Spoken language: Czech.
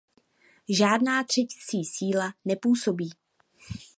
Žádná třecí síla nepůsobí.